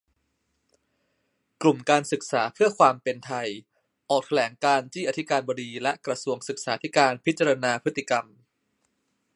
กลุ่มการศึกษาเพื่อความเป็นไท ออกแถลงการณ์ จี้อธิการบดีและกระทรวงศึกษาธิการพิจารณาพฤติกรรม